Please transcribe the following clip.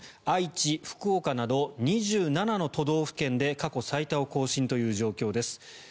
愛知、福岡など２７の都道府県で過去最多を更新という状況です。